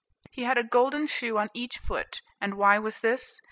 He had a golden shoe on each foot, and why was this?